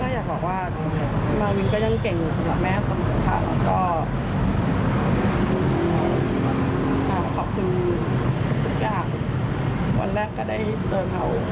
อยากบอกว่ามาวินก็ยังเก่งกับแม้ความสุขค่ะแล้วก็ขอบคุณทุกอย่างวันแรกก็ได้เจอเขา